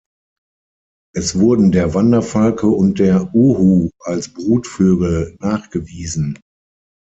Es wurden der Wanderfalke und der Uhu als Brutvögel nachgewiesen.